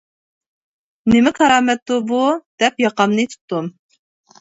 «نېمە كارامەتتۇ بۇ؟ !» دەپ ياقامنى تۇتتۇم.